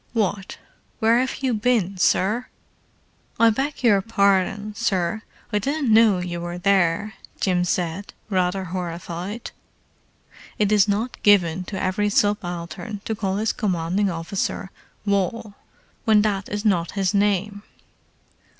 "What? Where have you been, sir?" "I beg your pardon, sir—I didn't know you were there," Jim said, rather horrified. It is not given to every subaltern to call his commanding officer "Wal," when that is not his name.